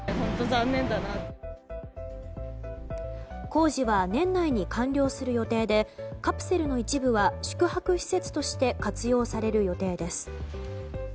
工事は年内に完了する予定でカプセルの一部は宿泊施設として活用される予定です。